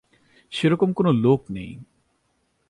সেরকম কোনো লোক নেই।